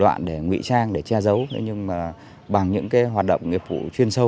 thủ đoạn để ngụy trang để che giấu nhưng mà bằng những hoạt động nghiệp vụ chuyên sâu